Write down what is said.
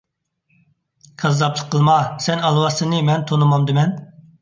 كاززاپلىق قىلما، سەن ئالۋاستىنى مەن تونۇمامدىمەن؟